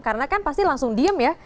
karena kan pasti langsung diam ya